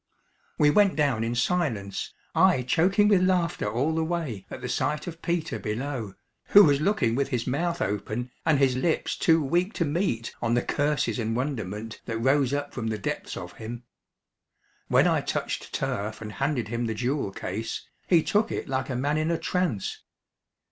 We went down in silence, I choking with laughter all the way at the sight of Peter below, who was looking with his mouth open and his lips too weak to meet on the curses and wonderment that rose up from the depths of him. When I touched turf and handed him the jewel case, he took it like a man in a trance.